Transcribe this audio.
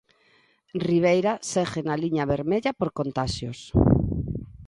Ribeira segue na liña vermella por contaxios...